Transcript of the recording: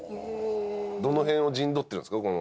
どの辺を陣取ってるんですか？